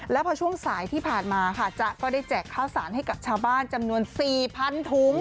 แล้วพอช่วงสายที่ผ่านมาค่ะจ๊ะก็ได้แจกข้าวสารให้กับชาวบ้านจำนวน๔๐๐๐ถุง